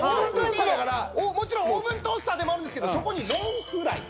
だからもちろんオーブントースターでもあるんですけどそこにノンフライ。